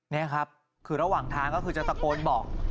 นี่ครับคือระหว่างทางก็คือจะตะโกนบอก